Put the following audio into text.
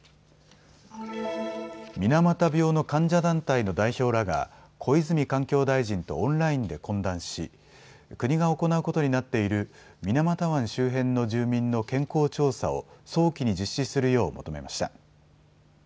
水俣病の患者団体の代表らが小泉環境大臣とオンラインで懇談し、国が行うことになっている水俣湾周辺の住民の健康調査を早期に実施するよう求めました。